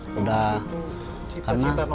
karena cita cita nomor satu nelayan itu